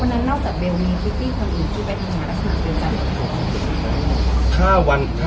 วันนั้นนอกจากเบลมีพิธีของอีกที่ไปดูอย่างไรครับ